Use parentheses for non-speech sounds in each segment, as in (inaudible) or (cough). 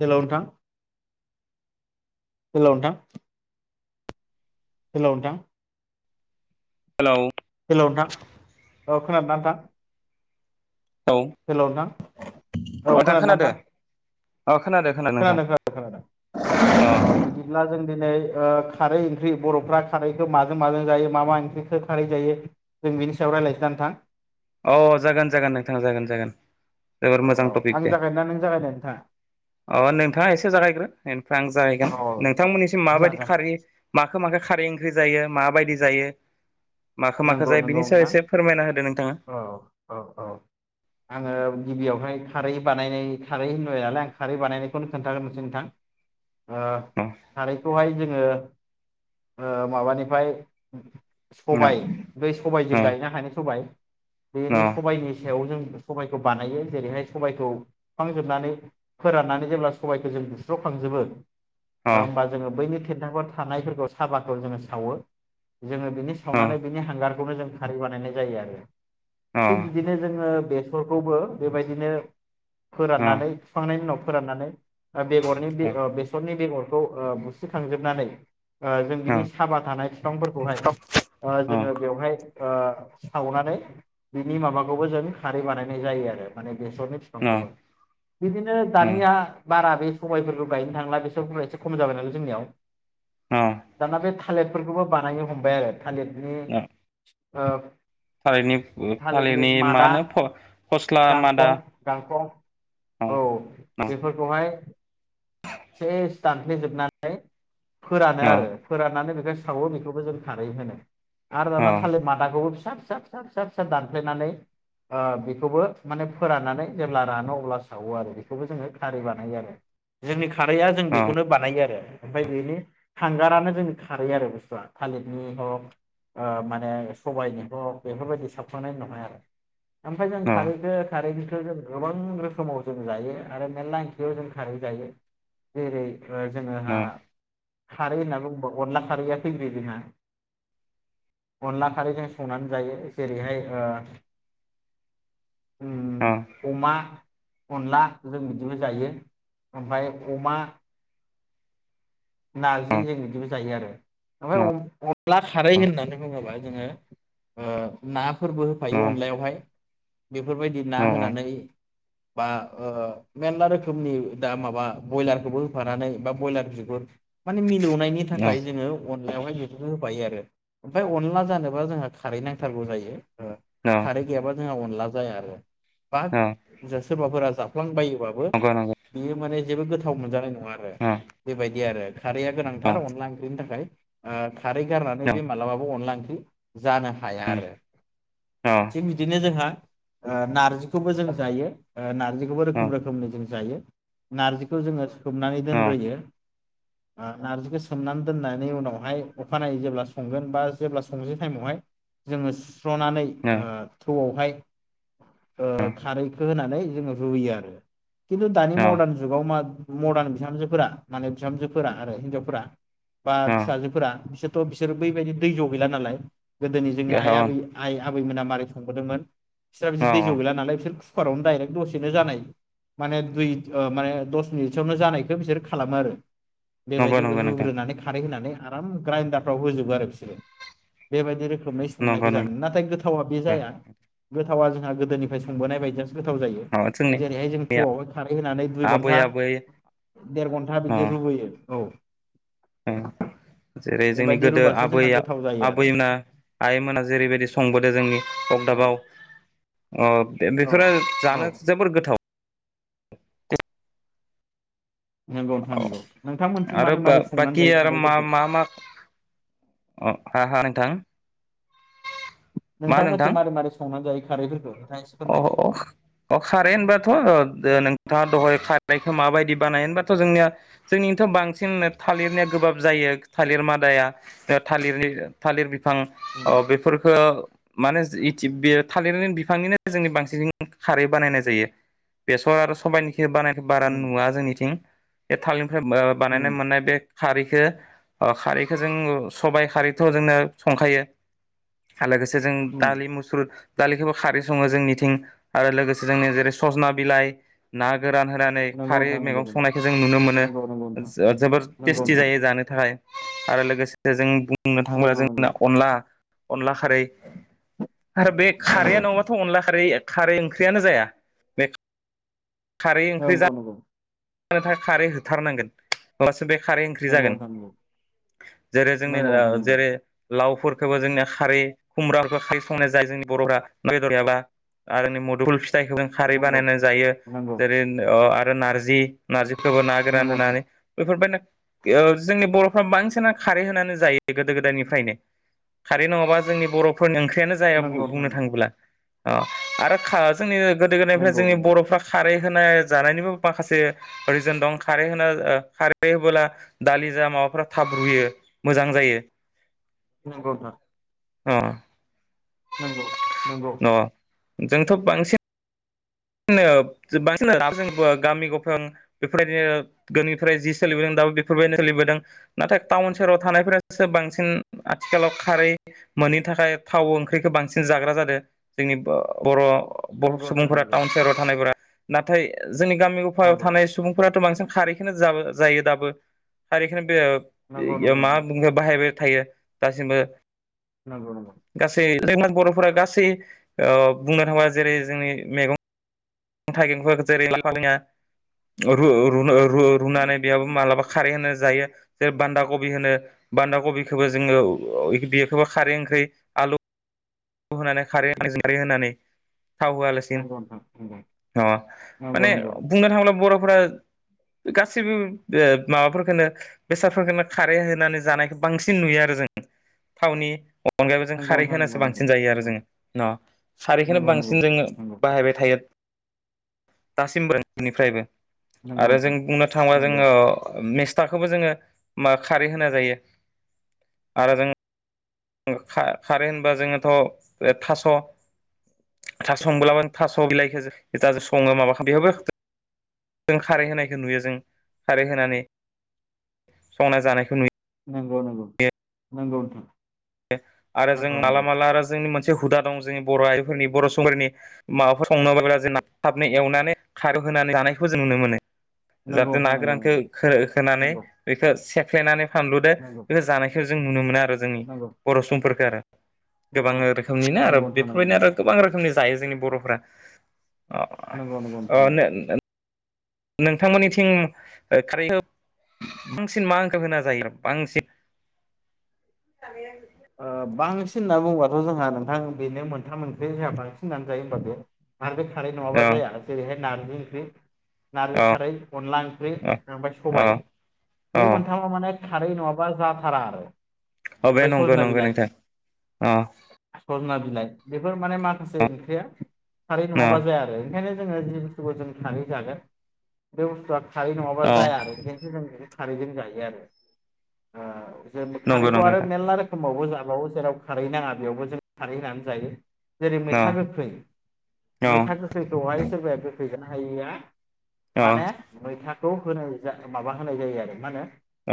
Hello नोंथां hello नोंथां hello नोंथां हेलौ, हेल' नोंथां औ खोनादों नोंथां हेल' नोंथां औ खोनादोंना नोंथां अ खोनादो खोनादो नोंथां खोनादों खोनादों खोनादों अ बिदिब्ला जों दिनै ओ खारै ओंख्रि बर'फ्रा खारैखौ माजों माजों जायो मा मा ओंख्रिखौ खारै जायो जों बिनि सायाव रायज्लायसनानै थां अ जागोन जागोन नोंथाङा जागोन जागोन जोबोर औ मोजां औ टपिक आं दे जागायना नों जागायनो नोंथाङा अ नोंथाङा एसे जागायग्रो बेनिफ्राय आं जागायगोन औ नोंथांमोननिसिम माबायदि जागोन खारै मा खो माखो खारै ओंख्रि जायो माबायदि जायो। माखो माखो नंगौ जायो नंगौ बिनि सायाव नोंथां एसे फोरमायना होदो नों थाङा औ औ औ आङो गिबियावहाय खारै बानायनाय खारै होनबाय नालाय आं खारै बानायनायखौनो खोन्थाग्रोनोंसै नोंथां आ खारैखौहाय जोङो आ माबानिफ्राय सबायाइ दै सबायजों गायनो हानाय सबायाइ बेनि सबायनि सायाव जों सबबायखौ बानायो जेरैहाय सबबायखौ खुखांजोबनानै फोराननानै जेब्ला सबबायखौ जों बुस्रावखांजोबो ओं होनोमबा जोङो बैनि सेरन्दांफोर थानायफोरखौ सााबाखौ जोङो सावो। जोङो बिनि सावनानै बिनि हांगारखौ नो जों खारै बानायनाय जायो आरो थिग बिदिनो जोङो बेस फोरखौबो बेबायदिनो फोराननानै बिुखांनायनि उनाव फोराननानै बेगरनि बे ओ बेसरनि बेगर खौ ओ बुसिखांजोबनानै ओ जों बिनि साबा थानाय बिफांफोरखौहाय जोङो बेवहाय ओ सावनानै बिनि माबाखौबो जों खारै बानायनाय जायो आरो माने बेसरनि बिफांखौमोन बिदिनो दानिया बारा बे सबायफोरफोरखौ बायनो थांला बेसर एसे खम जाबाय नालाय जोंनियाव दाना बे थालिरफोरखौबो बानायनो हमबाय आरो थालिरनि ओ थालिरनि थालिरनि मा मादा होनो फस्ला मादा गांखं गांखं अ औ अ बेफोरखौहाय सेस दानफ्लेजोबनानै फोरानो अ आरो फोराननानै बे खो सावो बेखौबो जों खारै होनो। आरो दाना अ थालेर मादाखौबो फिसा फिसा फिसा फिसा फिसा दानफ्लेनानै बेखौबो माने फोराननानै जेब्ला रानो अब्ला सावो आरो बेखौबो जोङो खारै बानायो आरो जोंनि खारैया जों नंगौ बेखौनो बानायो आरो। ओमफाय बेनि हांगारानो जोंनि खारै आरो बुस्थुवा थालिरनि हग ओ माने सबायाइनि हग बेफोरबायदि सावखांनायनि उनावहाय आरो। ओमफाय जों खारैखो खारै बखो जों गोबां रोखोमाव जों जायो आरो मेरला ओंख्रियाव जों खारै जायो। जेरै जोंहा नंगौ खारै होननानै बुङोबा अनला खारैया फैग्रोयो जोंहा अनला खारैजों संनानै जायो जेरैहाय ओ उम अमा अनला जों बिदिबो जायो ओमफाय अमा नार्जि जों बिदिबो जायो आरो। ओमफाय अ-अनला खारै होननानै बुङोबा जोङो ओ ना फोरबो होफायो अनलायावहाय। बेफोरबायदि ना होनानै बा मेरला रोखोमनि दा माबा बयलारखौबो होफानानै बा बयलार बिगुर माने मिलौनाय नि थाखाय जोङो अनलायावहाय बेनो होबायो आरो। ओमफाय अनला जानोबा जोंहा खारै नांथारगौ जायो। खारै गैयाबा जोंहा अनला जाया आरो। बा जा सोरबाफोरा जाफ्लांबायो बाबो बियो माने जेबो गोथाव मोनजानाय न नङा आरो बे बायदिया आरो। खारैया गोनांथार अनला ओंख्रिनि थाखाय आ खारै गारनानै बे मालाबाबो अनला जानो हाया आरो थिग बिदिनो जोंहा ओ नार्जिखौबो जों जायो ओ नार जिखौबो रोखोम रोखोमनि जों जायो। नार्जिखौ जोङो सोमनानै दोनग्रोयो ओ नार्जिखौ सोमनानै दोननायनि उनावहाय अखानायै जेब्ला संगोन बा जेब्ला संसै टाइमावहाय जोङो स्र'नानै थौआवहाय ओ खारै होनानै जोङो रुयो आरो खिन्थु दानि मारदान गोबाव मा मदार्न बिहामजोफोरा माने बिहामजोफोरा आरो हिनजावफोरा बा फिसाजोफोरा बिसोर थ' बिसोरो बैबायदि दै ज' गैला नालाय गोदोनि जोंनि आइ आबै आइ आबैमोना मारैखुंदोंमोन। बिसोरा बिदि दै जौ गैला नालाय बिसोर खुखारावनो दायरेक दसेनो जानाय माने दुय ओ माने दस मिनिटसोयावनो जानायखौ बिसोर खालामो आरो बेबायदि नोंथां रुग्रोनानै खारै होनानै आराम ग्राइडारफ्राव होजोबो आरो बिसोरो बेबायदि रोख्रेब नाय सनाय नंगौ ज नाथाय गोथावा बे जाया थावा जोंहा गोदनि सोंबोनाय बायदिया गोथाव जायो नंगौ जोंनि जेरैहाय जों बे थोआवहाय खारै होनानै दुइ आबै घन्टा आबै देर घन्टा अ बिदि रुग्रोयो। औ ओ जेरै जोंनि बेबायदि गोदो रुबासो आबै जोंहा गोथाव जायो आरो आबैमोना आइमोना जेरैबायदि संबोदों जोंनि औ अगदाबाव अ औ बेफोरो औ जानो जोबोर गोथाव नंगौ नोंथां औ नंगौ नोंथांमोनथिं आरो मारै मारै संनानै बाखि जायो आरो मा खारैफोरखौ मा मा अ ह ह थां नोंथां मोनसे मारै मारै संनानै जायोख खारैफोरखो अ अ अ खारै होनबाथ' दो नोंथाङा दहाय खारायखौ माबायदि बानाय होनबाथ' जोंनिया जोंनिथ' बांसिन थालिरनिया गोबाब जायो थालिर मादाया थालिरनि थालिर फां अ उम बेफोरखौ माने (unintelligible) थालिर बिफांनिनो जोंनि बांसिन खारै बानायनाय जायो बेसर आरो सबाइनि बानायखौ बारा उम नुवा जोंनिथिं ए थाल (unintelligible) उम बानायनाय मोननाय बेग खारैखौ अ खारैखौ जों सबाइ खारैथ' जोंनो संखायो लोगोसे जों उम दालि मुसुर दालि खौबो खारै संङो जोंनिथिं आरो लोगोसे जों जेरै ससना बिलाइ ना गोरान होनानै नंगौ खारै नोंथां नंगौ मैगं संनायखौ जों नुनो मोनो नंगौ नंगौ नोंथां जो-जोबोर टेस्टि जायो नंगौ जानो थाखाय आरो लोगोसे जों बुं बुंनो थाङोब्ला जोंना नोंथां अनला अनला खारै आरो बे नंगौ खारया नंगौ नङ ला खारै-खारै ओंख्रियानो जाया बे खारै ओंख्रि जानो (unintelligible) खारै होथारनांगोन (unintelligible) बे खारै ओंख्रि नंगौ जागोन नोंथां नंगौ जेरै जोंनि नंगौ नोंथां नंगौ जेरै लावफोरखौबो जोंनिया खारै (unintelligible) संनाय जाय जोंनि बर'फ्रा (unintelligible) आरो मुदुल फी जायखौ जों खारै नंगौ बानायना जायो नंगौ अ आरो नारजि नारजि खौ बो ना गोरान नंगौ नोंथां होनानै बेफोरबायनो ओ जोंनि बर'फ्रा बांसिनानो खारै होनानै जायो गोदो गोदायनिफ्रायनो खारै नङाबा जोंनि बर'फोरनो ओंख्रि खियानो जाया नंगौ बु-बुंनो नोंथां थाङोब्ला। अ आरो खा जोंनि ओ गोदो गोदायनिफ्राय नंगौ जोंनि बर'फ्रा रै होनाय जानायनिबो माखासे रिजोन दं खारै होना ओ खारै होबोला दालि जा माबा जा थाब रुयो मोजां जायो। नोंखौ नोंथां अ। नंगौ नंगौ। अ जोंथ' बांसिन नो बांसिन दा जोंबो गामि गफायअन‌ बेफोरबायदिनो गोनिफ्राय जि सोलिबोदों दाबो बेफोरबायदिनो सोलिबोदों नाथाय टाउन सोहोराव थानायफ्रासो बांसिन आथिखालाव खारै मोनैनि थाखाय थाव ओंख्रिखो बांसिन जाग्रा जादो जोंनि ओ बर' अ नोंथां बर' सुबुंफोरा टाउन सोहोराव थानायफोरा नाथाय ओ जोंनि गामि गफायाव नंगौ थानाय सुबुंफोराथ' बांसिन खारैखोनो जाबो जायो दाबो खारैखोनो सिंओब नंगौ नंगौ बेयो नोंथां मा बुं बाहायबाय थायो दासिमबो नंगौ नंगौ। ओरैनो बर'फोरा गासै ओ बुंनो थांबा जेरै जोंनि मेगं उम थाइगेंखो जेरै लाय लाफालिङा औ रु रुनो रु रुनानै बेयावबो मालाबा खारै होनोस जायो जेरै बान्दा कबि होनो बान्दा कबिखौबो जोङो इ गोदै बेखौबो खारै ओंख्रि आलु खौ होनानै खारै होनानै जोंनि खारै होनानै थाव होआलासिन नंगौ अ नंगौ नंगौ माने बुंनो थाङोब्ला बर'फ फरा ओ गासैबो ओ माबफोरखोनो बेसादफोरखोनो खारै होनानै जानायखौ बांसिन नुयो आरो जों थावनि अ अनगायैबो जों नंगौ खारै नोंथां होनासो नंगौ बांस जों जायो आरो जोङो न सारैखोनो नंगौ नंगौ नोंथां नंगौ नंगौ बांसिन जोङो नंगौ बाहायबाय थायो। दासिमबोनिफ्रायनो। आरो जों नोंथां नंगौ बुंनो थाङोबा जोङो मिस थाखौबो जोङो मा खारै होना जायो आरो जों उम खा खारै होनबा जोङोथ' ओ थास' थास' संबोलाबो थास' बिलाइखो जा जा सङो माबा खा बेबो जों खारै होनायखौ नुयो जों खारै होनानै संना जानायखौ नुयो। नंगौ नंगौ नंगौ नोंथां। ए आरो जों माला माला आरो जोंनि मोनस से हुदा दं जोंनि बर' हारिफोरनि बर' समफोरनि माबाफोर संनोबोला जोंना थाबनो एवनानै खारौ होनानै जानायखौ जों नुनो मोनो। नंगौ नोंथां नंगौ जाहाथे ना गोरानखो हो होनानै बेखो से सेनानै फानलुदो नोंथां नंगौ बेखो जानायखो ज जों नुनो मोनो आर ओ जोंनि नंगौ बर' समफोरखो आरो नंगौ नोंथां नंगौ गोबां रोखोमनिनो आरो नंगौ नोंथां नंगौ बेफोरबायदिनो आरो गोबां रोखोमनि जायो जोंनि बर'फोरा अह नंगौ नंगौ नोंथां अ नंगौ नों नोंथांमोननिथिं खारैखौ बांसिन माखो होना जायो बांसिन (inaudible) बांसिन होनना बुङोबाथ' जोंहा नोंथां बेनो मोनथाम मोनब्रै जोंहा बांसिन होननानै जायो होनबा बे आरो बे खारै नङाबा अ जाया जेरैहाय नारजि ओंख्रि नारजि अ खारै अनला ओंख्रि अ ओमफ्राय अ सबाय अ बे मोनथामा माने खारै नङाबा जाथारा आरो (unintelligible) ओमफ्राय नंगौ सजना नंगौ बिलाइ नोंथां अ सजना बिलाइ बेफोर माने माखासे ओंख्रिया खारै अ नङाबा जाया आरो ओंखायनो जोङो जि बुस्थुखौ जों सानै जागोन बे बुस्थुआ खारै नङाबा अ जाया आरो खारैजों जायो आरो नंगौ खारैखौ नंगौ आरो नोंथां मेरला रोखोमै समावबो जाबावो जेराव खारै नाङा बेयावबो जों खारै होनानै जायो जेरै अ मैथा गोखै अ मैथा गोखैखौहाय सोरबाया गोखै हाया माने अ मैथा खौ होनाय माबा होनाय जायो आरो मा होनो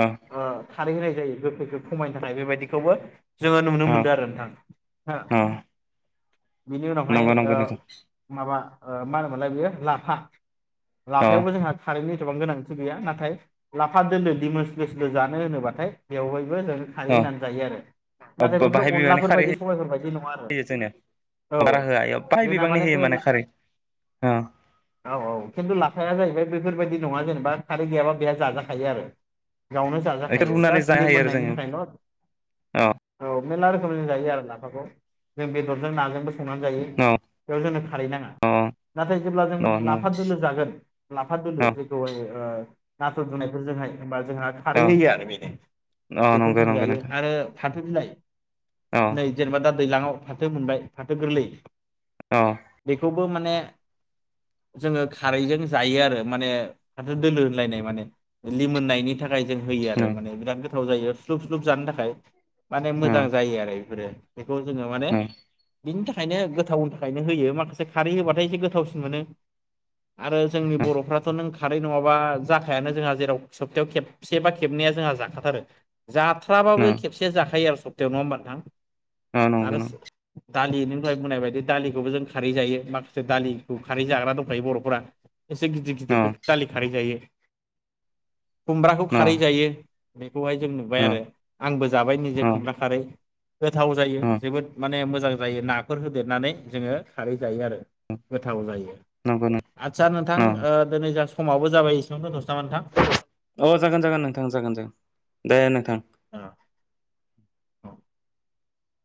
अ खारै होनाय जायो गोखैखौ खमायनो थाखाय बेबायदि खौमोन जोङो नुनो मोनदों अ आरो नोंथां हो बिनि उनावहाय नंगौ ओ नंगौ नोंथां माबा मा होनोमोन लाय बेयो लाफा अ लाफायावबो जोंहा खारैनि बेसेबां गोनांथि गैया नाथाय लाफा दोलो दिमासस्लेस जानो होनोबाथाय बेयावहाय बो हो खारै अ होननानै बि आरो नाथाय बेफोर बाहाय बिबांनि अनलाफोर खारै बादि सबायफोर बादि नङा आरो होयो जोंनो बारा औ होआ इयाव बाहाय जोंना बिबांनि माने होयो बे ला खारै अ औ औ‌ खिनथु ला लाफाया जाहैबाय बेफोरबायदि नङा जेनेबा खारै गैयाबा बेहा जाजाखायो आरो गावनो बेखौ जाजाखायो रुनानै जास जानो हायो आरो लिमिननायनि जोङो थाखायल' अ औ मेरला रोखोमै जों जायो आरो लाफाखौ जों बेदरजों नाजोंबो संनानै जायो बेयाव जोंनो खारै नाङा अ नाथाय जेब्ला जों अ लाफा दोलो जागोन लाफा औ दोलो जेखौहाय ओ नाथुर दुनायफोरजोंहाय होमबा जोंहा औ खारै होयो आरो बेनो औ बेखौ नंगौ जों नंगौ जायो। नोंथां फाथो बिलाइ औ नै जेनेबा दा दैलाङाव फाथो मोनबाय‌‌ फाथो गोरलै औ बेखौबो माने जोङो खारैजों जायो आरो माने फाथो दोलो होनलायनाय माने लिमोननायनि नि थाखाय जों होयो आरो नों माने बिरिद गोद गोथाव जायो स्लुब स्लुब जानो थाख खाय माने औ नों मोजां जायो आरो बेफोरो। खौ जोङो माने नों बिनि थाखायनो गोथावनि थाखायनो होयो माखासे खारै होबाथाय एसे गोथावसिन मोनो। आरो जोंनि बर'फ्राथ' नों खारै नङाबा जाखायानो जोंहा जेराव सबतायाव खेबसे बा खेबनैया जोंहा जाखाथारो। जाथ्राबाबो जाखायो आरो सप्तायाव नङा होमबा नोंथां? अ नंगौ आरो नं दालि नों दहाय बुंनाय बायदि दालिखौबो जों खारै जायो माखासे दालिखौ खारै जाग्रा दंखायो बर'फोरा। एसे गिदिर औ गिदिरखौ दालि खारै जायो। खुमब्राखौ औ खारै जायो। बेखौहाय जों नुबाय औ आरो। बो जाबाय निजे औ खुमब्रा खारै। गोथाव जायो औ जोबोद माने मो मोजां‌ जायो नाफोर होदेरनानै जोङो खारै जायो आरो, गोथाव जायो। नंगौ नों आच्छा नोंथां औ ओ दोनै जा समाबो जाबाय इसेयावनो‌ दोन अ जागोन जागोन नोंथां जागोन जागोन दे नोंथां। ओ, औ